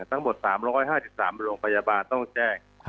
ทั้งหมด๓๕๓โรงพยาบาลต้องแจ้ง